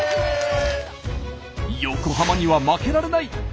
横浜には負けられない！